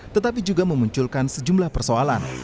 tetapi juga memunculkan sejumlah persoalan